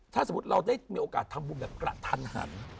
ถ้าสมมุติเราได้มีโอกาสทำบุญแบบกระทันหัน